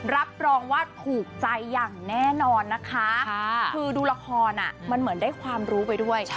รับรองว่าถูกใจอย่างแน่นอนนะคะคือดูละครมันเหมือนได้ความรู้ไปด้วย